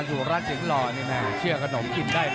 ถ้าอยู่กับจาสุรสิงหลอดนี่นะเชื่อกระหนมกินได้ตัว